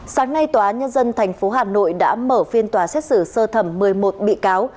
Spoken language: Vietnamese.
sáng nay tòa nhân dân tp hà nội đã mở phiên tòa xét xử sơ thẩm một mươi một bị cáo